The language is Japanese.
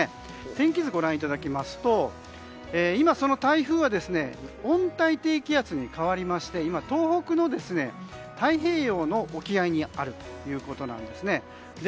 天気図ご覧いただきますと今、その台風は温帯低気圧に変わりまして今、東北の太平洋の沖合にあるということです。